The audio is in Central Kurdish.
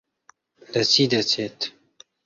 لە چی دەچێت؟